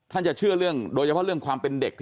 จะเชื่อเรื่องโดยเฉพาะเรื่องความเป็นเด็ก